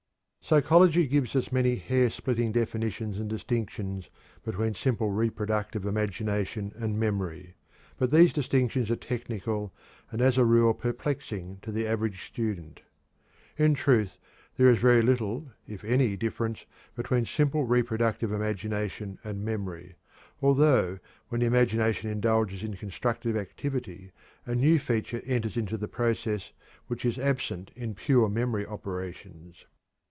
Psychology gives us many hairsplitting definitions and distinctions between simple reproductive imagination and memory, but these distinctions are technical and as a rule perplexing to the average student. In truth, there is very little, if any, difference between simple reproductive imagination and memory, although when the imagination indulges in constructive activity a new feature enters into the process which is absent in pure memory operations.